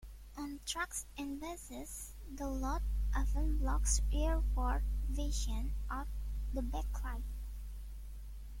On trucks and buses the load often blocks rearward vision out the backlight.